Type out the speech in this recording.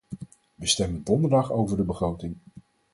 We stemmen donderdag over de begroting.